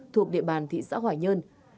thuộc địa bàn thị xã hỏa nhơn